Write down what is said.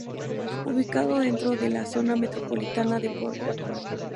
Ubicado dentro de la Zona Metropolitana de Puebla.